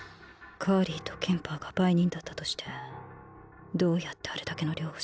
カーリーとケンパーが売人だったとしてどうやってあれだけの量を仕入れた？